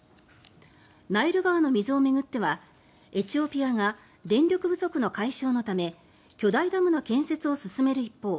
ナイル川の水を巡ってはエチオピアが電力不足の解消のため巨大ダムの建設を進める一方